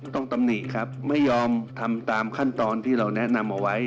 ตำหนิครับไม่ยอมทำตามขั้นตอนที่เราแนะนำเอาไว้